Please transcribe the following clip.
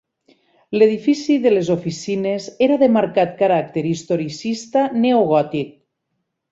L'edifici de les oficines era de marcat caràcter historicista neogòtic.